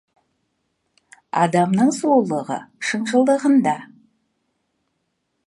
Адамның сұлулығы — шыншылдығында.